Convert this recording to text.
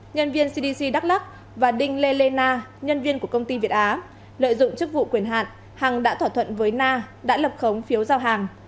nhân viên cdc đắk lắc và đinh lê lê na nhân viên của công ty việt á lợi dụng chức vụ quyền hạn hằng đã thỏa thuận với na đã lập khống phiếu giao hàng